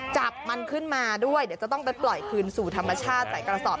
จับมันขึ้นมาด้วยเดี๋ยวจะต้องไปปล่อยคืนสู่ธรรมชาติใส่กระสอบ